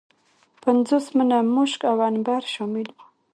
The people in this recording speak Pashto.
پنځوس منه مشک او عنبر شامل وه.